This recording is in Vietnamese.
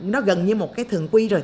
nó gần như một thường quy rồi